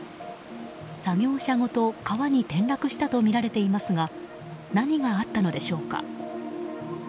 作業車ごと川に転落したとみられていますが何があったのでしょうか。